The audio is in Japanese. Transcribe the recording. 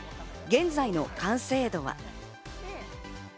現在の完成度は？